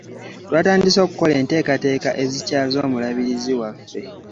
Twatandise okukola enteekateeka ezikyaza omulabirizi waffe.